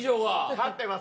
勝ってます。